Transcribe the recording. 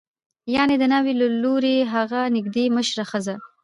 یعنې د ناوې له لوري هغه نژدې مشره ښځه